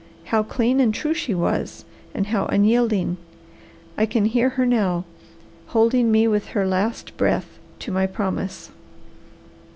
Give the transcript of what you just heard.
How clean and true she was and how unyielding! I can hear her now, holding me with her last breath to my promise.